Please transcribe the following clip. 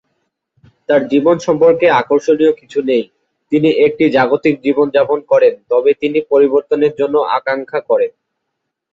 তার জীবন সম্পর্কে আকর্ষণীয় কিছু নেই; তিনি একটি জাগতিক জীবন যাপন করেন তবে তিনি পরিবর্তনের জন্য আকাঙ্ক্ষা করেন।